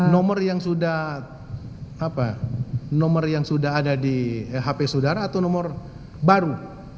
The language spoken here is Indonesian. nomor yang sudah nomor yang sudah ada di hp saudara atau nomor baru